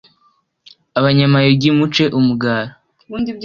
abanyamayugi muce umugara